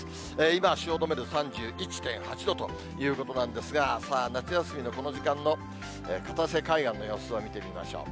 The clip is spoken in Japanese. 今、汐留で３１．８度ということなんですが、さあ、夏休みのこの時間の片瀬海岸の様子を見てみましょう。